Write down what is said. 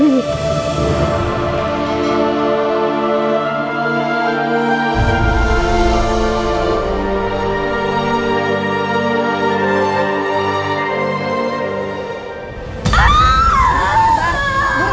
ibu nggak kabar nuridin